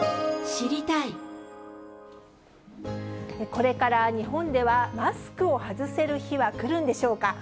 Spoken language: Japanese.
これから日本では、マスクを外せる日は来るんでしょうか。